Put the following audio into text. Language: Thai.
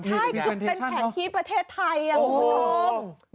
ใช่คือเป็นแผนที่ประเทศไทยคุณผู้ชม